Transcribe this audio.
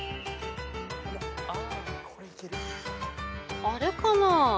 あれかな？